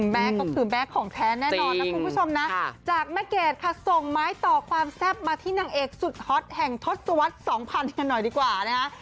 แม่ก็คือแม่ของแท้แน่นอนนะคุณผู้ชมนะจากแม่เกดค่ะส่งไม้ต่อความแซ่บมาที่นางเอกสุดฮอตแห่งทศวรรษ๒๐๐กันหน่อยดีกว่านะคะ